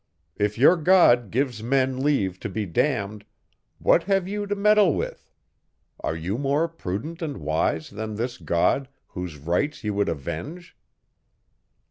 If your God gives men leave to be damned, what have you to meddle with? Are you more prudent and wise, than this God, whose rights you would avenge?